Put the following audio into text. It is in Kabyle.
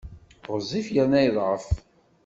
Ɣezzif yerna yeḍɛef.